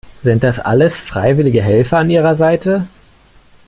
Sind das alles freiwillige Helfer an ihrer Seite?